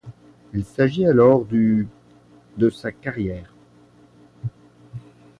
Il s'agit alors du de sa carrière.